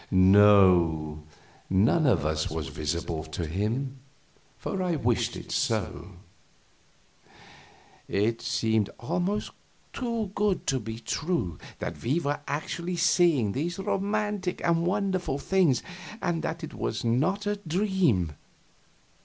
"No, none of us was visible to him, for I wished it so." It seemed almost too good to be true, that we were actually seeing these romantic and wonderful things, and that it was not a dream.